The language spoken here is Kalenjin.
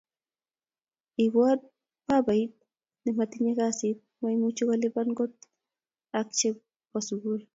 ibwat babait ne matinye kasit maimuche kolipan kot ak che bo sukul